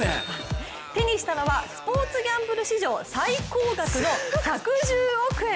手にしたのはスポーツギャンブル史上最高額の１１０億円！